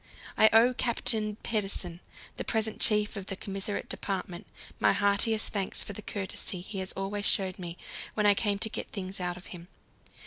I owe Captain Pedersen, the present chief of the Commissariat Department, my heartiest thanks for the courtesy he always showed me when I came to get things out of him.